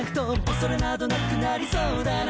「恐れなどなくなりそうだな」